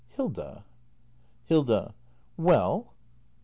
] Hilda ! Hilda. Well!